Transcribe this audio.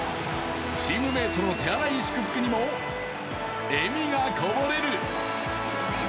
チームメートの手荒い祝福にも笑みがこぼれる。